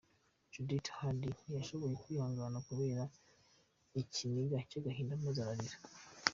Judith Heard ntiyashoboye kwihangana kubera ikiniga n’agahinda maze ararira.